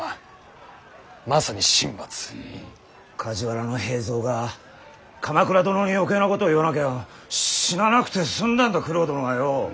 梶原平三が鎌倉殿に余計なことを言わなきゃ死ななくて済んだんだ九郎殿はよう。